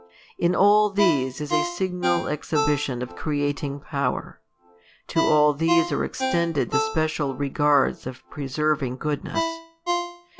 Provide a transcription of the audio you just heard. In all these is a signal exhibition of creating power : to all these are extended the special regards of preserving goodness.